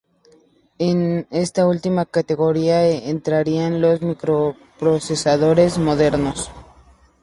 En esta última categoría entrarían los microprocesadores modernos.